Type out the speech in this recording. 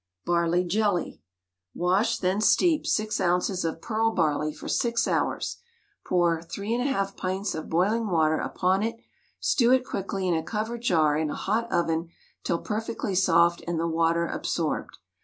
BARLEY JELLY. Wash, then steep, 6 oz. of pearl barley for 6 hours, pour 31/2 pints of boiling water upon it, stew it quickly in a covered jar in a hot oven till perfectly soft and the water absorbed.